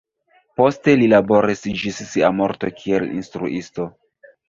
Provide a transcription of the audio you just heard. Poste li laboris ĝis sia morto kiel instruisto.